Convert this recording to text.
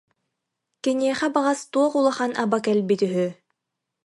Киниэхэ баҕас туох улахан аба кэлбит үһү